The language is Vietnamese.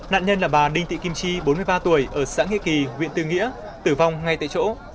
nạn nhân là bà đinh thị kim chi bốn mươi ba tuổi ở xã nghĩa kỳ huyện tư nghĩa tử vong ngay tại chỗ